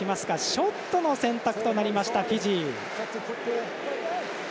ショットの選択となりましたフィジー。